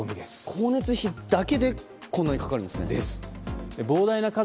光熱費だけでこんなにかかるんですね。